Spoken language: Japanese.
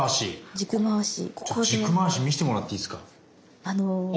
軸回し見してもらっていいっすか？